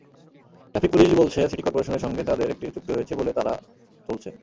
Traffic police বলছে, city করপোরেশনের সঙ্গে তাদের একটি চুক্তি হয়েছে বলে তারা চলছে।